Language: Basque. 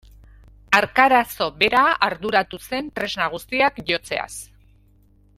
Arkarazo bera arduratu zen tresna guztiak jotzeaz.